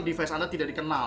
device anda tidak dikenal